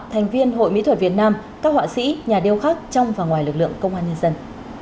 thành viên hội mỹ thuật việt nam các họa sĩ nhà điêu khắc trong và ngoài lực lượng công an nhân dân